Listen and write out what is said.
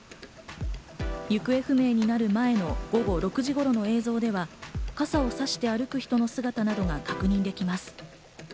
行方不明になる前の午後６時頃の映像では、傘を差して歩く人の姿が確認できます。